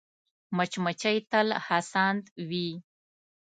مچمچۍ تل هڅاند وي